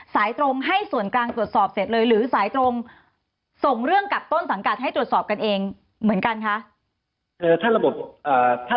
สายตรงให้ส่วนกลางตรวจสอบเสร็จเลยหรือสายตรงส่งเรื่องกับต้นสังกัดให้ตรวจสอบกันเองเหมือนกันคะ